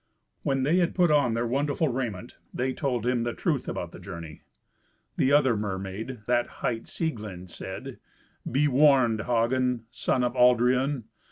When they had put on their wonderful raiment, they told him the truth about the journey. The other mermaid, that hight Sieglind, said, "Be warned, Hagen, son of Aldrian.